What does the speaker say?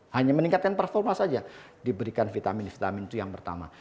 hanya meningkatkan performa saja diberikan vitamin vitamin itu yang pertama